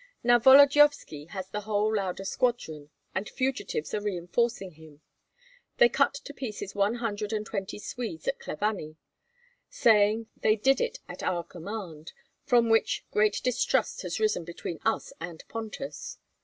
Now Volodyovski has the whole Lauda squadron, and fugitives are reinforcing him. They cut to pieces one hundred and twenty Swedes at Klavany, saying that they did it at our command, from which great distrust has arisen between us and Pontus.